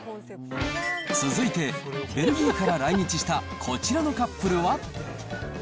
続いて、ベルギーから来日したこちらのカップルは。